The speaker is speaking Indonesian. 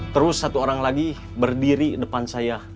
terus satu orang lagi berdiri depan saya